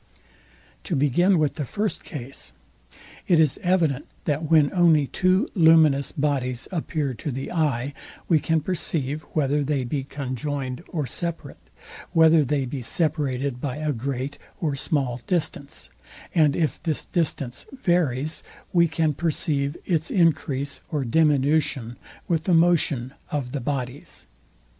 To begin with the first case; it is evident, that when only two luminous bodies appear to the eye, we can perceive, whether they be conjoined or separate: whether they be separated by a great or small distance; and if this distance varies, we can perceive its increase or diminution, with the motion of the bodies.